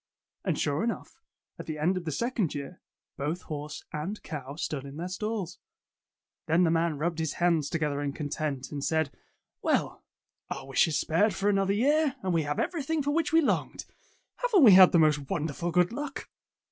And sure enough, at the end of the second year, both horse and cow stood in their stalls. Then the man rubbed his hands together in content and said, "Well, our wish is spared us for another year, and we have everything for which we longed. io8 Tales of Modern Gerniany Haven't we had the most wonderful good luck?"